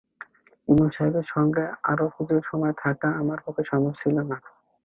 ইমাম সাহেবের সঙ্গে আরো কিছু সময় থাকা আমার পক্ষে সম্ভব ছিল না।